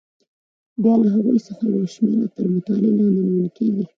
بیا له هغو څخه یوه شمېره تر مطالعې لاندې نیول کېږي.